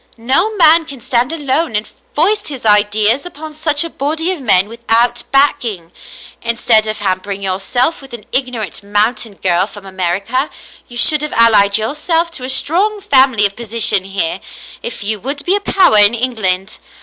No man can stand alone and foist his ideas upon such a body of men, without backing. Instead of hampering yourself with an ignorant mountain girl from America, you should have allied yourself to a strong family of position here, if you would be a power in England.